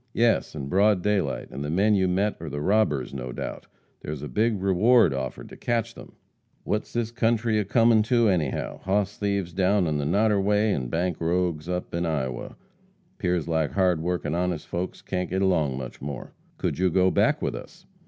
"Yes, in broad daylight, and the men you met are the robbers, no doubt. There's a big reward offered to catch them." "What's this country a comin' to, anyhow? Hoss thieves down on the Noderway, an' bank rogues up to Iowa. 'Pears like hard workin' honest folks can't get along much more." "Could you go back with us?"